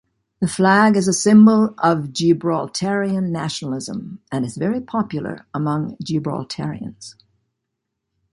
The flag is a symbol of Gibraltarian nationalism, and is very popular among Gibraltarians.